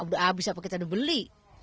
udah habis apa kita udah beli